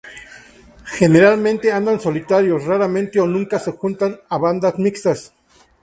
Generalmente andan solitarios, raramente o nunca se juntan a bandadas mixtas.